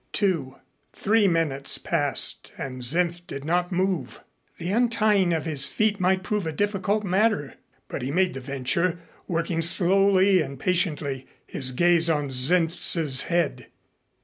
Two three minutes passed and Senf did not move. The untying of his feet might prove a difficult matter, but he made the venture, working slowly and patiently, his gaze on Senf's head.